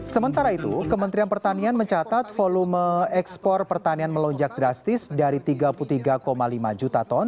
sementara itu kementerian pertanian mencatat volume ekspor pertanian melonjak drastis dari tiga puluh tiga lima juta ton